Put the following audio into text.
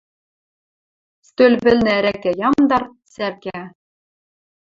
Стӧл вӹлнӹ ӓрӓкӓ ямдар, цӓркӓ.